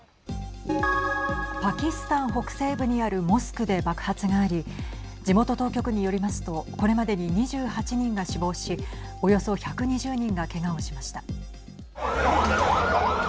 パキスタン北西部にあるモスクで爆発があり地元当局によりますとこれまでに２８人が死亡しおよそ１２０人がけがをしました。